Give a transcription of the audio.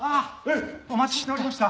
お待ちしておりました。